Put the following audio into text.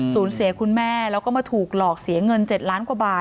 เสียคุณแม่แล้วก็มาถูกหลอกเสียเงิน๗ล้านกว่าบาท